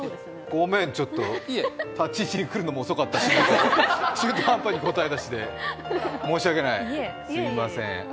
ごめんちょっと、立ち位置に来るのも遅かったし中途半端に答えだして申し訳ない、すいません。